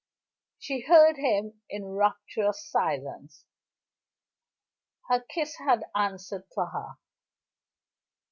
She heard him in rapturous silence. Her kiss had answered for her.